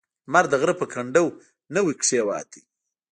لمر د غره په کنډو نوی کېوت.